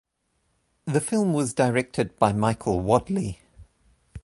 The film was directed by Michael Wadleigh.